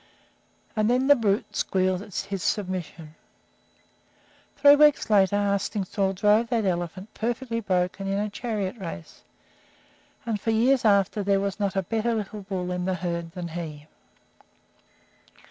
And then the brute squealed his submission. Three weeks later Arstingstall drove that elephant, perfectly broken, in a chariot race, and for years after there was not a better little bull in the herd than he.